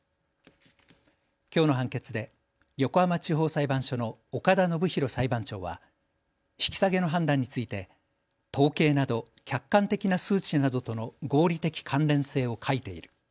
きょうの判決で横浜地方裁判所の岡田伸太裁判長は引き下げの判断について統計など客観的な数値などとの合理的関連性を欠いている。